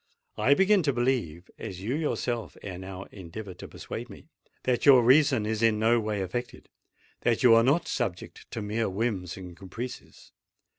I begin to believe—as you yourself ere now endeavoured to persuade me—that your reason is in no way affected—that you are not subject to mere whims and caprices.